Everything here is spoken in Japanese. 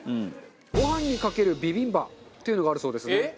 ご飯にかけるビビンバっていうのがあるそうですね。